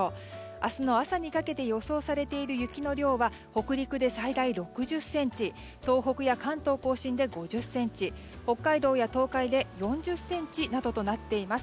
明日の朝にかけて予想されている雪の量は北陸で最大６０ｃｍ東北や関東・甲信で５０ｃｍ北海道や東海で４０ｃｍなどとなっています。